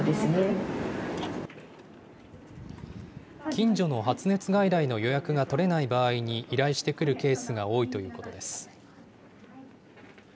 近所の発熱外来の予約が取れない場合に依頼してくるケースが多いということです。